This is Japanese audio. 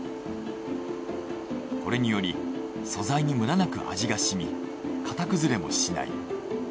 これにより素材にムラなく味が染み形崩れもしない。